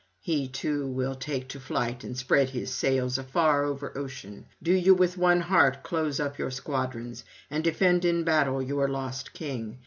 He too will take to flight, and spread his sails afar over ocean. Do you with one heart close up your squadrons, and defend in battle your lost king.'